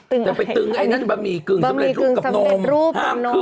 จะไปตึงไอ้นั่นบะหมี่กึ่งสำเร็จรูปกับนมห้าม